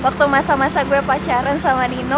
waktu masa masa gue pacaran sama nino